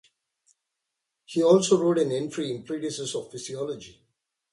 He also wrote an entry in "Treatises of Physiology".